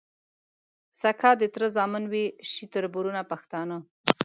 سکه د تره زامن وي شي تــربـــرونـه پښتانه